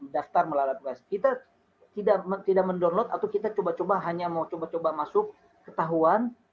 daftar melalui aplikasi kita tidak tidak mendownload atau kita coba coba hanya mau coba coba masuk ketahuan